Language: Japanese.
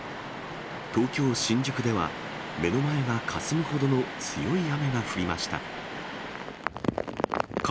東京・新宿では、目の前がかすむほどの強い雨が降りました。